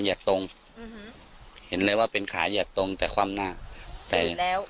เหยียดตรงอืมเห็นเลยว่าเป็นขาเหยียดตรงแต่ความหน้าแต่อืดแล้ว